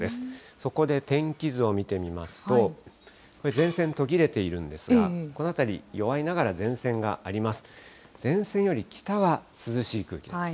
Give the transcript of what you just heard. そこで天気図を見てみますと、これ、前線、途切れているんですが、この辺り、弱いながら前線があります。